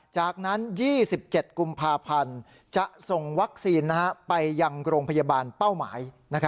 จากนั้น๒๗กุมภาพันธ์จะส่งวัคซีนไปยังโรงพยาบาลเป้าหมาย